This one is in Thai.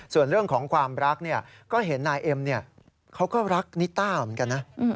ส่วนเรื่องของความรักก็เห็นนายเอ็มเขาก็รักนิต้าเหมือนกันนะ